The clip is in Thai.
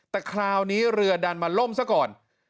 แต่คราวนี้เรือดันมาล่มซะก่อน